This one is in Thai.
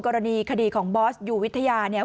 กรณีคดีของบอสอยู่วิทยาเนี่ย